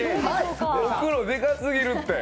ホクロでかすぎるって。